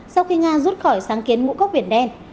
sau khi nga rút khỏi sáng kiến ngũ cốc biển đen